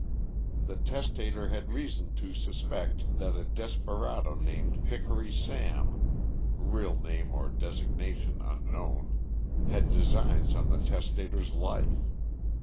The testator had reason to suspect that a desperado named Hickory Sam (real name or designation unknown) had designs on the testator's life.